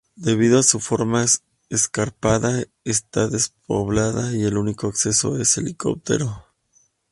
Debido a su forma escarpada está despoblada y el único acceso es por helicóptero.